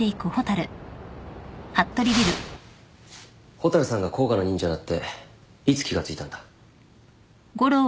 蛍さんが甲賀の忍者だっていつ気が付いたんだ？